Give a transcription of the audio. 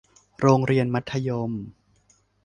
โรงเรียนมัธยม